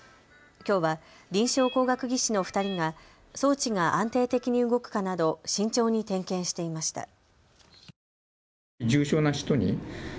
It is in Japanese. きょうは臨床工学技士の２人が装置が安定的に動くかなど慎重に点検していました。